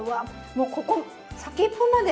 もうここ先っぽまで。